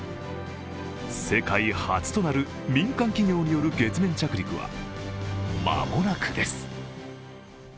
世界初となる民間企業による月面着陸は間もなくです。